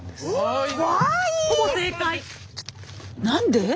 何で？